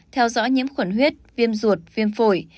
theo dõi nhiễm khuẩn huyết viêm ruột viêm phổi